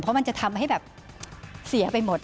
เพราะมันจะทำให้แบบเสียไปหมด